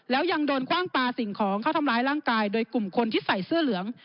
แล้วยังโดนคว่างปลาสิ่งของเข้าทำร้ายร่างกายโดยกลุ่มคนที่ใส่เสื้อเหลือง